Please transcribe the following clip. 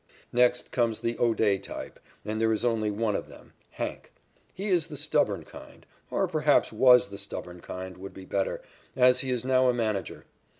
Next comes the O'Day type, and there is only one of them, "Hank." He is the stubborn kind or perhaps was the stubborn kind, would be better, as he is now a manager.